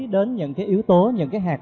đến những cái yếu tố những cái hạt